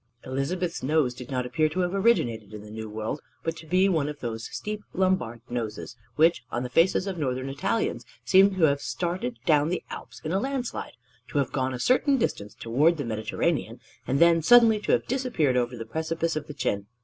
Elizabeth's nose did not appear to have originated in the New World, but to be one of those steep Lombard noses, which on the faces of northern Italians seem to have started down the Alps in a landslide, to have gone a certain distance toward the Mediterranean, and then suddenly to have disappeared over the precipice of the chin.